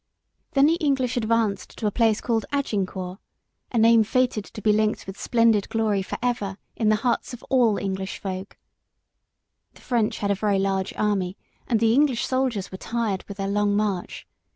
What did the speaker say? Then the English advanced to a place called Agincourt, a name fated to be linked with splendid glory for ever in the hearts of all English folk. The French had a very large army, and the English soldiers were tired with their long march.